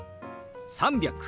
「３００」。